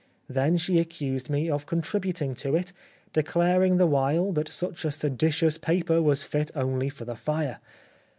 Then she accused me of contributing to it, declaring the while that such a seditious paper was fit only for the fire.